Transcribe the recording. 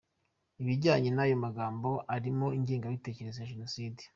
ibijyanye n’ayo magambo arimo ingengabitekerezo ya Jenoside”.